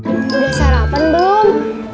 udah sarapan belum